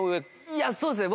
いやそうですね